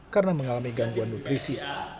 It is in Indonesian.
karena mengalami gangguan nutrisi